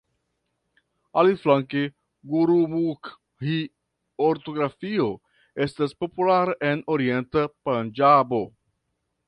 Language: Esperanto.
Aliflanke gurumukhi-ortografio estas populara en orienta Panĝabo.